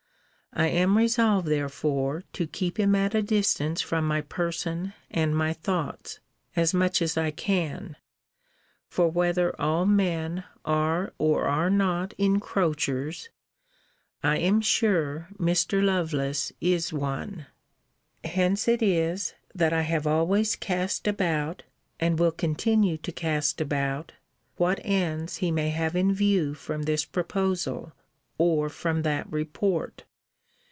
I am resolved therefore to keep him at a distance from my person and my thoughts, as much as I can: for whether all men are or are not encroachers, I am sure Mr. Lovelace is one. Hence it is that I have always cast about, and will continue to cast about, what ends he may have in view from this proposal, or from that report.